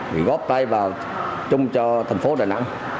vì góp tay vào chung cho thành phố đà nẵng